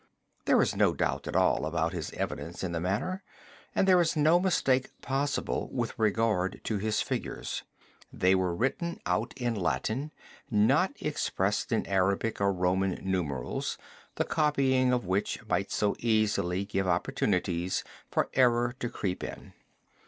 There is no doubt at all about his evidence in the matter and there is no mistake possible with regard to his figures. They were written out in Latin, not expressed in Arabic or Roman numerals, the copying of which might so easily give opportunities for error to creep in.